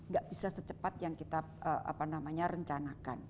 gak bisa secepat yang kita rencanakan